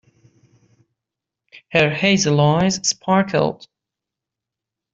Her hazel eyes sparkled.